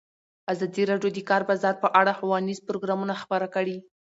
ازادي راډیو د د کار بازار په اړه ښوونیز پروګرامونه خپاره کړي.